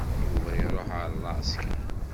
Yuba iruḥ ɣer leɛsker.